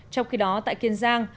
trong khi đó tại kiên giang